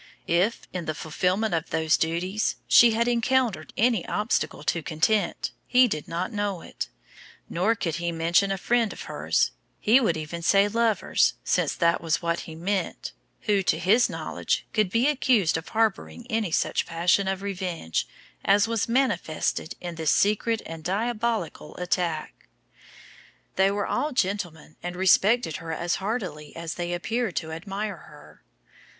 If, in the fulfillment of those duties, she had encountered any obstacle to content, he did not know it; nor could he mention a friend of hers he would even say lovers, since that was what he meant who to his knowledge could be accused of harbouring any such passion of revenge as was manifested in this secret and diabolical attack. They were all gentlemen and respected her as heartily as they appeared to admire her.